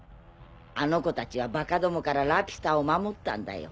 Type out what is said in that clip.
あの子たちはバカどもからラピュタを守ったんだよ。